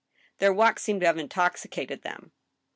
Their walk seemed to have intoxicated them.